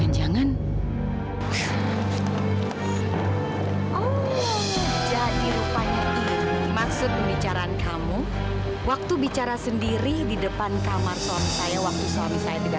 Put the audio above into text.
sampai jumpa di video selanjutnya